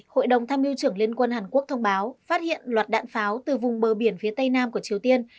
hội đồng tham mưu trưởng liên quân hàn quốc thông báo phát hiện loạt đạn pháo từ vùng bờ biển phía tây nam của triều tiên